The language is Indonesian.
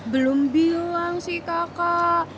belum bilang sih kakak